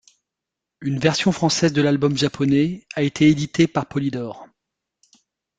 Une version française de l'album japonais a été éditée par Polydor.